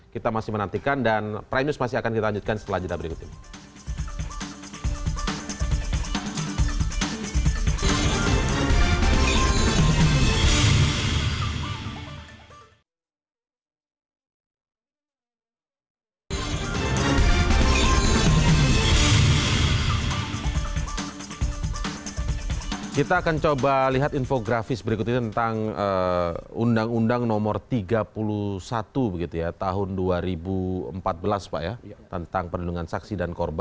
kita masih menantikan dan prime news masih akan kita lanjutkan setelah jadwal berikut ini